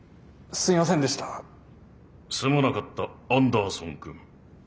すまなかったアンダーソンくん。